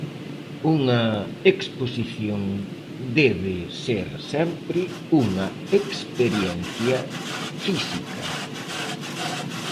Unha exposición debe ser sempre unha experiencia física.